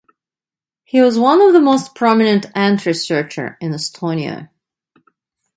He was one of the most prominent ant researcher in Estonia.